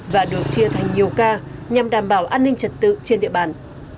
và được chia thành nhiều ca nhằm đảm bảo an ninh trật tự trên địa bàn